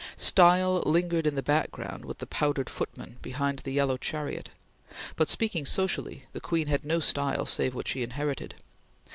Style lingered in the background with the powdered footman behind the yellow chariot, but speaking socially the Queen had no style save what she inherited.